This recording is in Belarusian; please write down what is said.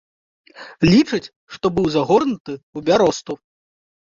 Лічаць, што быў загорнуты ў бяросту.